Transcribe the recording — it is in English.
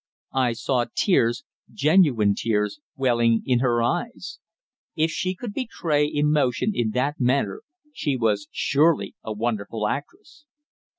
I saw tears, genuine tears, welling in her eyes. If she could betray emotion in that manner she was surely a wonderful actress.